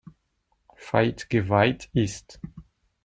Veit geweiht ist.